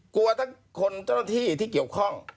กลัวทั้งคนเจ้าหน้าที่ที่เกี่ยวข้อง